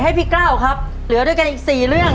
ให้พี่กล้าวครับเหลือด้วยกันอีกสี่เรื่อง